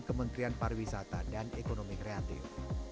kementerian pariwisata dan ekonomi kreatif